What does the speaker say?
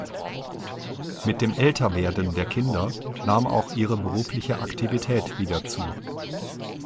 Mit dem Älterwerden der Kinder nahm auch ihre berufliche Aktivität wieder zu.